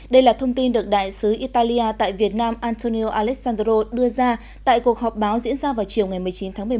đây là thông tin được đại sứ italia tại việt nam antonio alessandro đưa ra tại cuộc họp báo diễn ra vào chiều một mươi chín tháng một mươi một